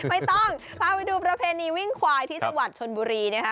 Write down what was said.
ไม่ต้องพาไปดูประเพณีวิ่งควายที่จังหวัดชนบุรีนะคะ